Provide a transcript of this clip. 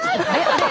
あれ？